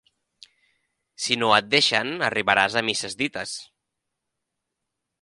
Si no et deixen, arribaràs a misses dites.